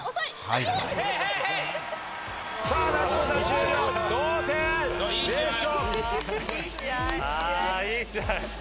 いい試合。